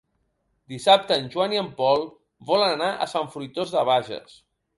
Dissabte en Joan i en Pol volen anar a Sant Fruitós de Bages.